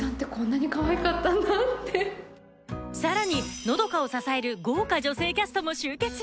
さらに和佳を支える豪華女性キャストも集結